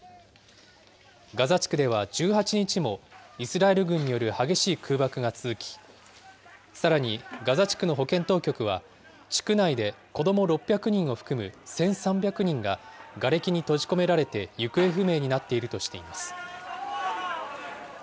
ガザ地区では１８日もイスラエル軍による激しい空爆が続き、さらにガザ地区の保健当局は、地区内で子ども６００人を含む１３００人が、がれきに閉じ込められて行方不明になっているとしています。